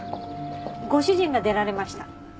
ご主人が出られました。